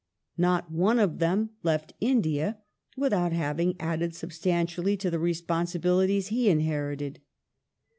Not one of them left India without having added substantially to the responsibilities he inherited.